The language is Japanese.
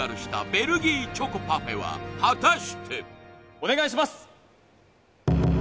お願いします